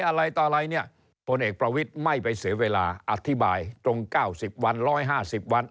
อะไรต่ออะไรเนี่ยพลเอกประวิทย์ไม่ไปเสียเวลาอธิบายตรง๙๐วัน๑๕๐วัน